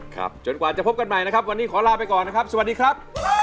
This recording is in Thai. จนกว่าจะพบกันใหม่นะครับวันนี้ขอลาไปก่อนนะครับสวัสดีครับ